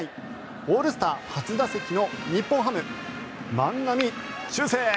オールスター初打席の日本ハム、万波中正。